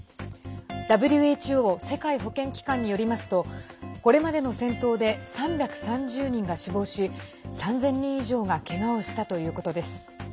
ＷＨＯ＝世界保健機関によりますとこれまでの戦闘で３３０人が死亡し３０００人以上がけがをしたということです。